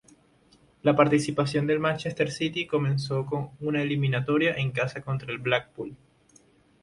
La participación del Manchester City comenzó con una eliminatoria en casa contra el Blackpool.